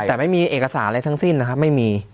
แต่ไม่มีเอกสารอะไรทั้งสิ้นนะครับไม่มี